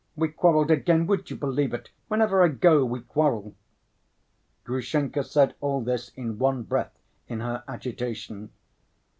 We quarreled again, would you believe it? Whenever I go we quarrel." Grushenka said all this in one breath in her agitation.